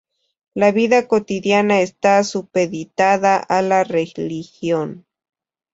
La vida cotidiana está supeditada a la religión.